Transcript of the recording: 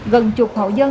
gần chục hộ dân